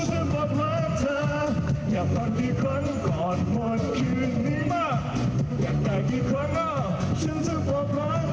อยากต้องดีครั้งก่อนหมดคืนนี้มาอยากได้กี่ครั้งอ่ะฉันจะปลอบรักเธอ